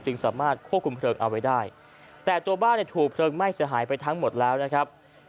สามารถควบคุมเพลิงเอาไว้ได้แต่ตัวบ้านเนี่ยถูกเพลิงไหม้เสียหายไปทั้งหมดแล้วนะครับ